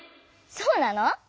そうなの？